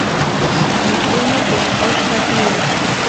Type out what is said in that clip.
mikuna poshqoshqa tiyan